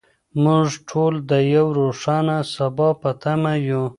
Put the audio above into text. موږ ټول د یو روښانه سبا په تمه یو.